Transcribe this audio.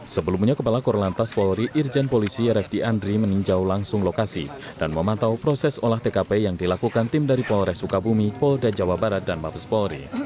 sebelumnya kepala korlantas polri irjen polisi refdi andri meninjau langsung lokasi dan memantau proses olah tkp yang dilakukan tim dari polres sukabumi polda jawa barat dan mabes polri